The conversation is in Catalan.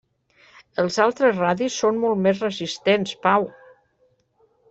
Els altres radis són molt més resistents, Pau!